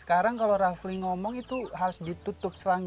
sekarang kalau rafli ngomong itu harus ditutup